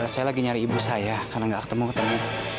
saya lagi nyari ibu saya karena nggak ketemu ketemu